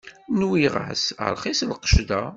Nwiɣ-as rxis lqecc da.